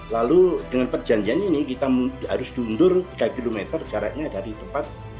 lalu dengan perjanjian ini kita harus dundur tiga km jaraknya dari tempat